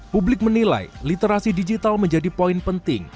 publik menilai literasi digital menjadi poin penting